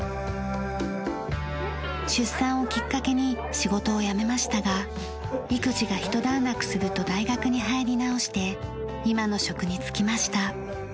出産をきっかけに仕事を辞めましたが育児が一段落すると大学に入り直して今の職に就きました。